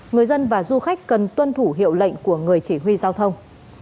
người dân và du khách cần tuân thủ hiệu lệnh của người chỉ huy giao thông